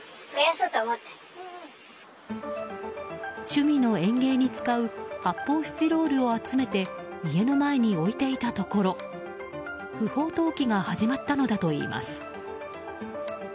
趣味の園芸に使う発泡スチロールを集めて家の前に置いていたところ不法投棄が始まったのだといいます。